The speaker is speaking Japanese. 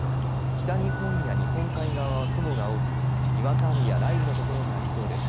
北日本や日本海側は雲が多くにわか雨や雷雨のところがありそうです。